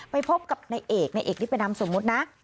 ไปพบกับนายเอกในเอกนี่เป็นนามสมมุตินะ